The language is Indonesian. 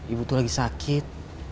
ibu tuh lagi sakit